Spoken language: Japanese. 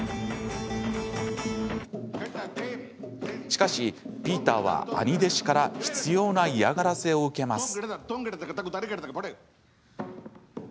しかし、ピーターは兄弟子から執ような嫌がらせを受けます。